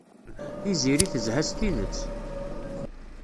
Tiziri tezha s tidet.